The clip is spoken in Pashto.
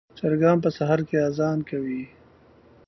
چرګان په سهار کې اذان کوي.